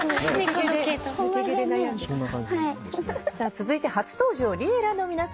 続いて初登場Ｌｉｅｌｌａ！の皆さんです。